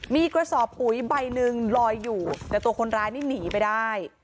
มีกระสอบปุ๋ยใบหนึ่งลอยอยู่แต่ตัวคนร้ายนี่หนีไปได้